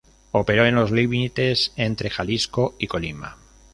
Operó en los límites entre Jalisco y Colima.